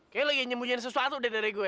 kayaknya lagi nyembunyain sesuatu dari gue